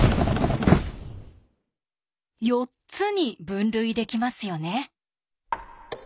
４つに分類できますよね。